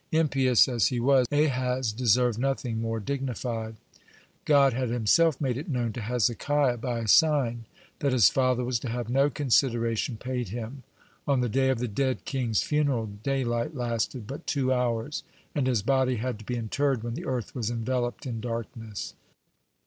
Impious as he was, Ahaz deserved nothing more dignified. (48) God had Himself made it known to Hezekiah, by a sign, that his father was to have no consideration paid him. On the day of the dead king's funeral daylight lasted but two hours, and his body had to be interred when the earth was enveloped in darkness.